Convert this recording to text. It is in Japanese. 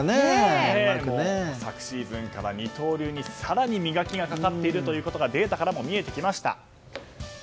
昨シーズンから二刀流に更に磨きがかかっていることがデータからも見えてきました。